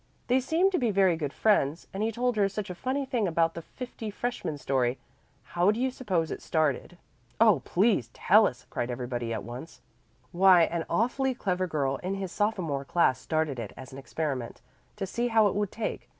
They seem to be very good friends, and he told her such a funny thing about the fifty freshmen story. How do you suppose it started?" "Oh, please tell us," cried everybody at once. "Why, an awfully clever girl in his sophomore class started it as an experiment, to see how it would take.